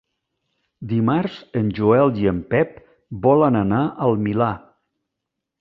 Dimarts en Joel i en Pep volen anar al Milà.